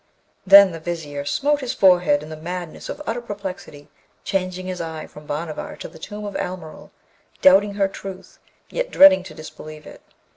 Then the Vizier smote his forehead in the madness of utter perplexity, changing his eye from Bhanavar to the tomb of Almeryl, doubting her truth, yet dreading to disbelieve it.